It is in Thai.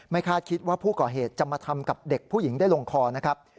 คาดคิดว่าผู้ก่อเหตุจะมาทำกับเด็กผู้หญิงได้ลงคอนะครับ